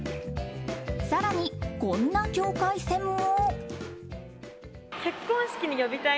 更に、こんな境界線も。